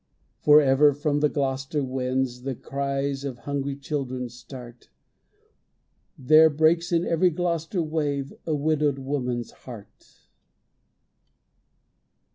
Forever from the Gloucester winds The cries of hungry children start. There breaks in every Gloucester wave A widowed woman's heart.